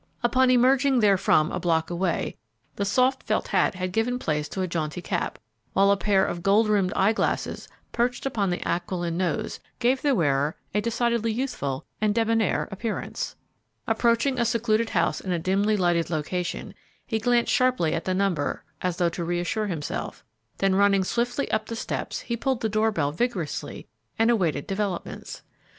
Upon emerging therefrom a block away, the soft felt hat had given place to a jaunty cap, while a pair of gold rimmed eye glasses perched upon the aquiline nose gave the wearer a decidedly youthful and debonnaire appearance. Approaching a secluded house in a dimly lighted location, he glanced sharply at the number, as though to reassure himself, then running swiftly up the front steps, he pulled the door bell vigorously and awaited developments.